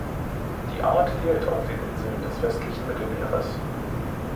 Die Art fehlt auf den Inseln des westlichen Mittelmeeres.